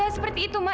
enggak seperti itu ma